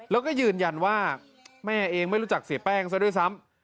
แล้วก็ยืนยันว่าแม่เองไม่รู้จักเสียแป้งซะด้วยซ้ำ